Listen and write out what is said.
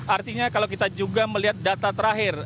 artinya kalau kita juga melihat data terakhir